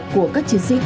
của chủ xe